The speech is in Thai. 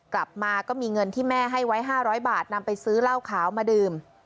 กลับมาก็มีเงินที่แม่ให้ไว้๕๐๐บาทนำไปซื้อเหล้าขาวมาดื่ม